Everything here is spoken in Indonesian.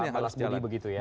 tidak ada peruahan